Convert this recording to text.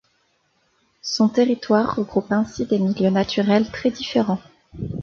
Son territoire regroupe ainsi des milieux naturels très différents.